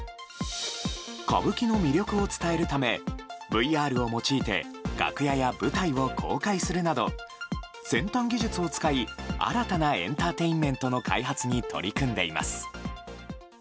歌舞伎の魅力を伝えるためＶＲを用いて楽屋や舞台を公開するなど先端技術を使い、新たなエンターテインメントの開発に取り組んでいます。